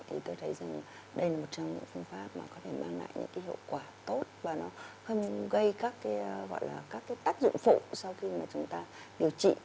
thì tôi thấy rằng đây là một trong những phương pháp mà có thể mang lại những cái hiệu quả tốt và nó gây các cái gọi là các cái tác dụng phụ sau khi mà chúng ta điều trị